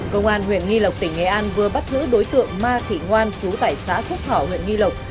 công an huyện nghi lộc tỉnh nghệ an vừa bắt giữ đối tượng ma thị ngoan trú tại xã quốc thảo huyện nghi lộc